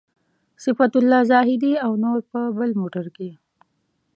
صفت الله زاهدي او نور په بل موټر کې.